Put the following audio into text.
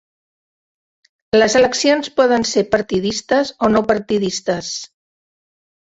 Les eleccions poden ser partidistes o no partidistes.